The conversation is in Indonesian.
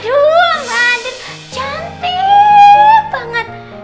aduh mbak andin cantiiiiiip banget